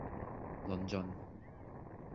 論盡